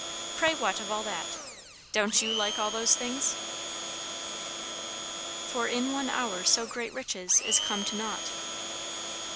"Pray what of all that? Don't you like all those things?" "' For in one hour so great riches is come to nought.'"